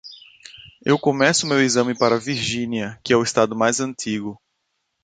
Eu começo meu exame para Virginia, que é o estado mais antigo.